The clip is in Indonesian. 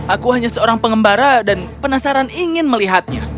aku hanya seorang pengembara dan penasaran ingin melihatnya